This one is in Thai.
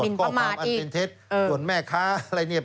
โดนแม่ค้าอะไรเนี่ย